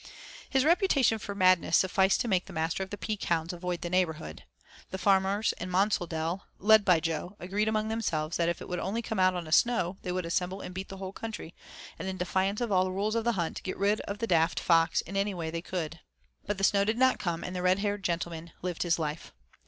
His reputation for madness sufficed to make the master of the Peak hounds avoid the neighborhood. The farmers in Monsaldale, led by Jo, agreed among themselves that if it would only come on a snow, they would assemble and beat the whole country, and in defiance of all rules of the hunt, get rid of the 'daft' fox in any way they could. But the snow did not come, and the red haired gentleman lived his life.